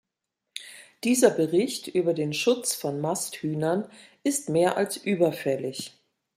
Dieser Bericht über den Schutz von Masthühnern ist mehr als überfällig.